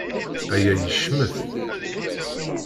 Aya yecmet.